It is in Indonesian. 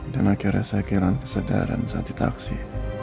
dan akhirnya saya kehilangan kesadaran saat di taksi